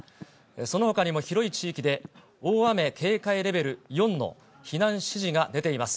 そのほかにも広い地域で大雨警戒レベル４の避難指示が出ています。